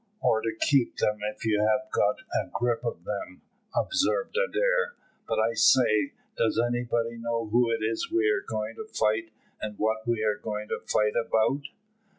"Or to keep them if you have got a grip of them," observed Adair. "But I say, does anybody know who it is we are going to fight, and what we are going to fight about?"